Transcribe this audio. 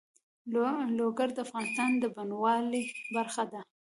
لوگر د افغانستان د بڼوالۍ برخه ده.